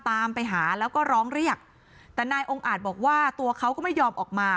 ตามไปหาแล้วก็ร้องเรียกแต่นายองค์อาจบอกว่าตัวเขาก็ไม่ยอมออกมา